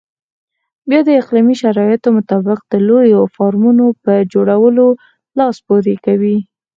بیا د اقلیمي شرایطو مطابق د لویو فارمونو په جوړولو لاس پورې کوي.